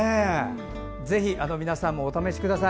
ぜひ皆さんもお試しください。